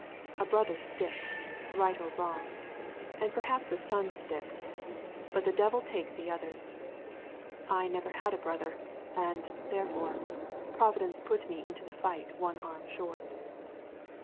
A brother sticks, right or wrong, and perhaps a son sticks, but the devil take the others. I never had a brother, and, therefore, Providence put me into the fight one arm short."